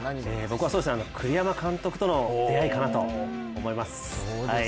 僕は栗山監督との出会いかなと思います。